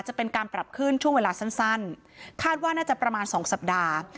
จะเป็นการปรับขึ้นช่วงเวลาสั้นคาดว่าน่าจะประมาณสองสัปดาห์